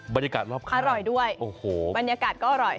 บรรยากาศรอบข้างอร่อยด้วยโอ้โหบรรยากาศก็อร่อย